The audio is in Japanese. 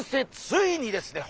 ついにですね